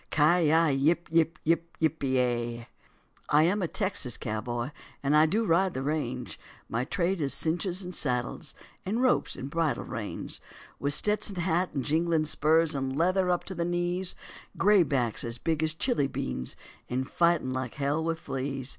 Ci yi yip yip yip pe ya. I am a Texas cowboy and I do ride the range; My trade is cinches and saddles and ropes and bridle reins; With Stetson hat and jingling spurs and leather up to the knees, Gray backs as big as chili beans and fighting like hell with fleas.